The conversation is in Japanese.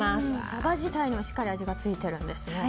サバ自体にもしっかり味がついてるんですね。